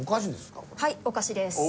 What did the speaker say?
はいお菓子です。